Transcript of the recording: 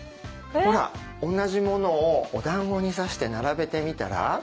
ほら同じものをおだんごに差して並べてみたら？